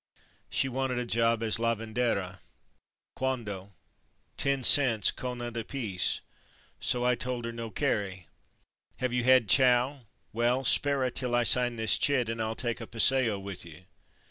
She wanted a job as lavandera. Cuanto? Ten cents, conant, a piece, so I told her no kerry. Have you had chow? Well, spera till I sign this chit and I'll take a paseo with you.